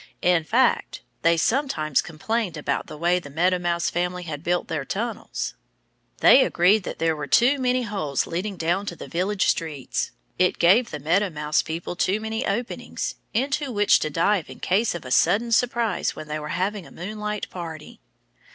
In fact they sometimes complained about the way the Meadow Mouse family had built their tunnels. They agreed that there were too many holes leading down to the village streets. It gave the Meadow Mouse people too many openings into which to dive in case of a sudden surprise when they were having a moonlight party.